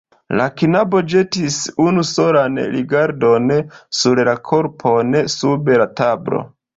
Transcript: La knabo ĵetis unu solan rigardon sur la korpon sub la tablo.